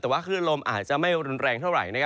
แต่ว่าคลื่นลมอาจจะไม่รุนแรงเท่าไหร่